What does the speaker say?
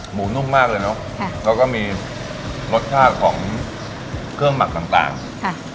นุ่มมากเลยเนอะค่ะแล้วก็มีรสชาติของเครื่องหมักต่างต่างค่ะ